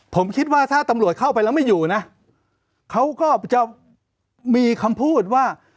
ผมคิดว่าถ้าตำรวจเข้าไปแล้วไม่อยู่นะเขาก็จะมีคำพูดว่า